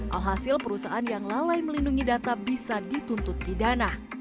alhasil perusahaan yang lalai melindungi data bisa dituntut pidana